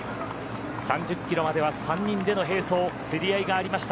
３０キロまでは３人での並走競り合いがありました。